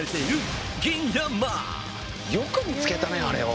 よく見つけたねあれを。